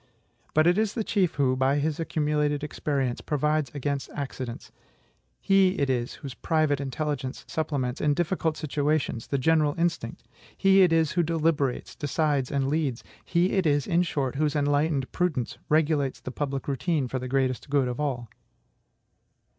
But it is the chief who, by his accumulated experience, provides against accidents; he it is whose private intelligence supplements, in difficult situations, the general instinct; he it is who deliberates, decides, and leads; he it is, in short, whose enlightened prudence regulates the public routine for the greatest good of all.